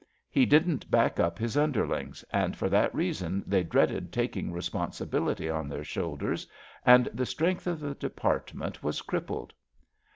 He didn 't back up his underlings, and for that reason they dreaded taking responsibility on their shoul ders, and the strength of the Department was crippled.